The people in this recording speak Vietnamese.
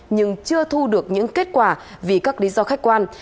nhưng chưa thu được những kết quả vì các lý do khách quan